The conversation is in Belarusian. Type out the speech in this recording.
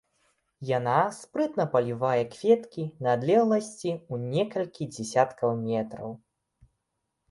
Яна спрытна палівае кветкі на адлегласці ў некалькі дзесяткаў метраў.